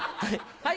はい。